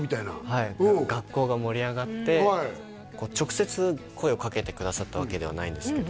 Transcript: はい学校が盛り上がって直接声をかけてくださったわけではないんですけど